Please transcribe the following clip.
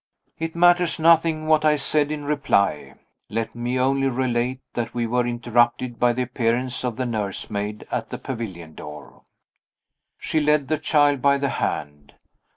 It matters nothing what I said in reply. Let me only relate that we were interrupted by the appearance of the nursemaid at the pavilion door. She led the child by the hand.